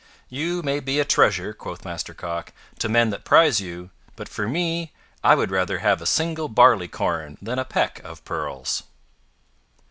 "You may be a treasure," quoth Master Cock, "to men that prize you, but for me I would rather have a single barley corn than a peck of pearls."